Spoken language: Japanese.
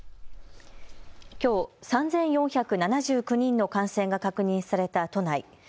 きょう３４７９人の感染が確認された都内。